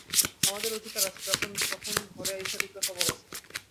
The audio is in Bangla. আমাদেরও অধিকার আছে, যখন তখন, ঘরে আইসা, ঢুকলে খবর আছে।